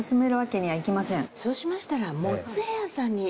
そうしましたら。